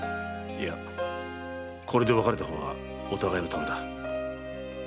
いやこれで別れた方がお互いのためだ。